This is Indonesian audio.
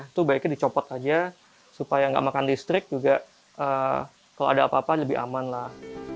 itu baiknya dicopot aja supaya nggak makan listrik juga kalau ada apa apa lebih aman lah